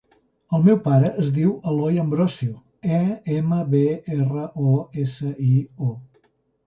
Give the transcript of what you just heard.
El meu pare es diu Eloi Ambrosio: a, ema, be, erra, o, essa, i, o.